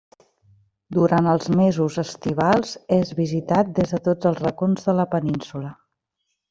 Durant els mesos estivals és visitat des de tots els racons de la península.